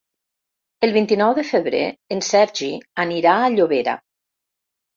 El vint-i-nou de febrer en Sergi anirà a Llobera.